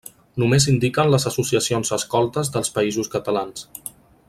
Només s'indiquen les associacions escoltes dels Països Catalans.